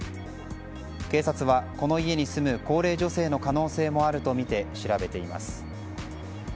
警察は、この家に住む高齢女性の可能性もあるとみて調べています。